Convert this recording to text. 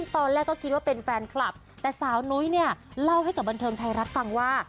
ตอนแรกก็คิดว่าเป็นแฟนคลับแต่สาวนุ้ยเนี่ยเล่าให้กับบันเทิงไทยรัฐฟังว่า